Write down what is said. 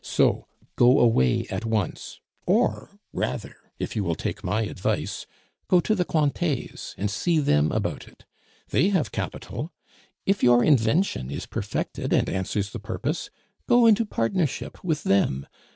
So, go away at once Or, rather, if you will take my advice, go to the Cointets and see them about it. They have capital. If your invention is perfected and answers the purpose, go into partnership with them.